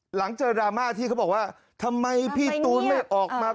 หลังเจอดราม่าที่เขาบอกว่าทำไมพี่ตูนไม่ออกมา